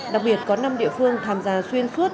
đặc biệt có năm địa phương tham gia xuyên suốt